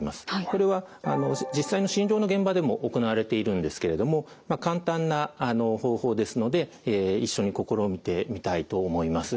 これは実際の診療の現場でも行われているんですけれども簡単な方法ですので一緒に試みてみたいと思います。